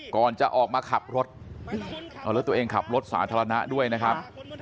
ก่อนจะออกมาขับรถเอาแล้วตัวเองขับรถสาธารณะด้วยนะครับ